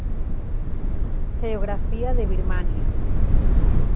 Geografía de Birmania